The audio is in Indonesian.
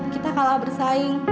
kita kalah bersaing